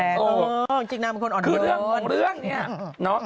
เออจริงนะเป็นคนอ่อนโยนคือเรื่องของเรื่องนี่